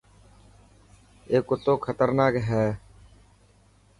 اي ڪتو خطرناڪ هي.